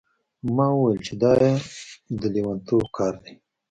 ما وویل چې دا د یو لیونتوب کار دی.